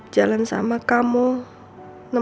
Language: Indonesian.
bukan saya pelakunya